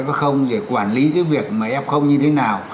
thế nào là f để quản lý cái việc mà f như thế nào